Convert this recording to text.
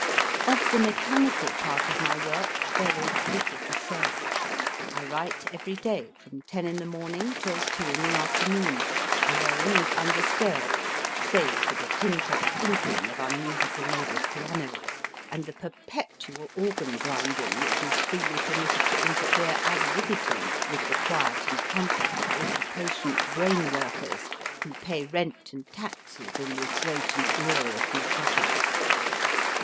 Of the mechanical part of my \vork there is little to say. I write every day from ten in the morning till two in the afternoon, alone and undisturbed, save for the tinpot tinkling of unmusical neighbours pianos, and the perpetual organ grinding which is freely permitted to interfere ad libitum with the quiet and comfort of all the patient brain workers who pay rent and taxes in this great and glorious metropolis.